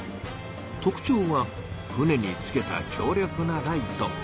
特ちょうは船につけた強力なライト。